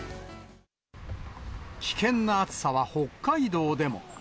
危険な暑さは北海道でも。